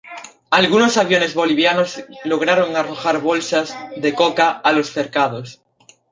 Algunos aviones bolivianos lograron arrojar bolsas de coca a los cercados.